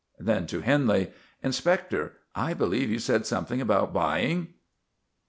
Then to Henley: "Inspector, I believe you said something about buying?"